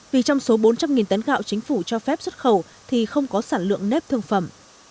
vì trong số bốn trăm linh tấn gạo chính phủ cho phép xuất khẩu thì không có sản lượng nếp thương phẩm